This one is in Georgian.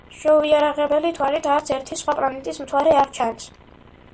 შეუიარაღებელი თვალით არც ერთი სხვა პლანეტის მთვარე არ ჩანს.